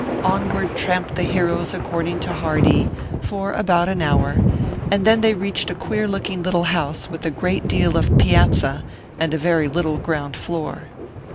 Onward tramped the heroes according to Hardee, for about an hour, and then they reached a queer look ing little house with a great deal of piazza and a very little ground floor.